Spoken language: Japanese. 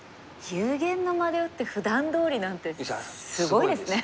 幽玄の間で打ってふだんどおりなんてすごいですね。